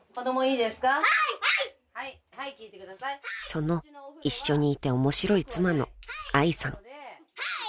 ［その一緒にいて面白い妻の愛さん］